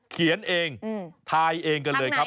เขียนเองทายเองกันเลยครับ